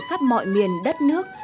khắp mọi miền đất nước